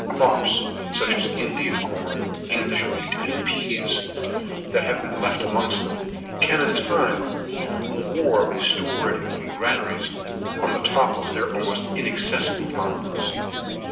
Crops, such as Indian corn, English wheat and peas, that have been left amongst them, can in time of war be stored in granaries on the top of their almost inaccessible mountains.